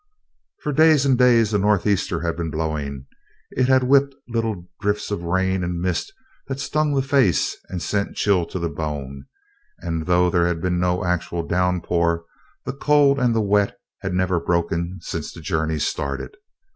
For days and days a northeaster had been blowing; it had whipped little drifts of rain and mist that stung the face and sent a chill to the bone, and, though there had been no actual downpour, the cold and the wet had never broken since the journey started.